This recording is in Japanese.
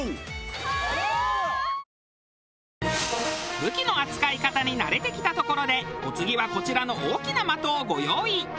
武器の扱い方に慣れてきたところでお次はこちらの大きな的をご用意。